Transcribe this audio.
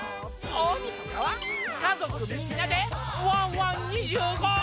大みそかは家族みんなで「ワンワン２５」！